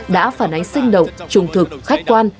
đã phản ánh sinh động trùng thực khách quan